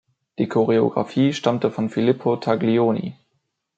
Die Choreographie stammte von Filippo Taglioni.